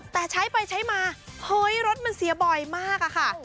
แต่ใช้ไปใช้มาเฮ้ยรถมันเสียบ่อยมากอะค่ะ